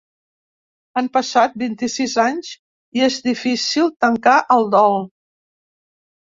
Han passat vint-i-sis anys i és difícil tancar el dol.